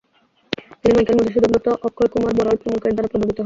তিনি মাইকেল মধুসূদন দত্ত, অক্ষয় কুমার বড়াল প্রমুখের দ্বারা প্রভাবিত হন।